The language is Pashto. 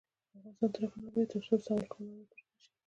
افغانستان تر هغو نه ابادیږي، ترڅو د سوال کولو عادت ورک نشي.